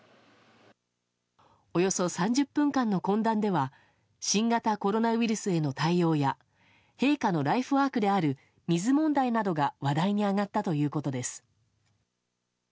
およそ３０分間の懇談では新型コロナウイルスへの対応や陛下のライフワークである水問題などが話題に挙がったということです。